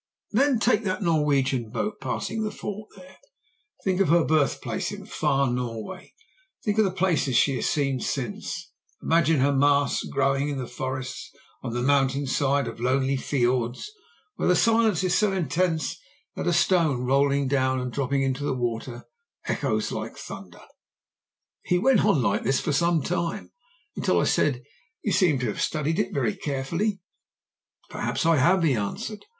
Then take that Norwegian boat passing the fort there; think of her birthplace in far Norway, think of the places she has since seen, imagine her masts growing in the forests on the mountain side of lonely fiords, where the silence is so intense that a stone rolling down and dropping into the water echoes like thunder.' "He went on like this for some time, until I said: 'You seem to have studied it very carefully.' "'Perhaps I have,' he answered.